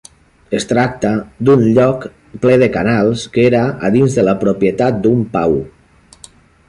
Es tracta d'un lloc ple de canals que era dins de la propietat d'un Pau.